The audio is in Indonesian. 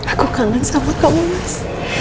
aku kangen sama kamu mas